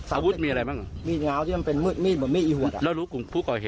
อาวุธมีอะไรบ้าง